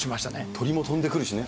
鳥も飛んでくるしね。